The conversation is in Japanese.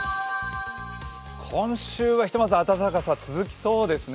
今週はひとまず暖かさが続きそうですね。